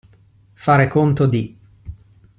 Fare conto di.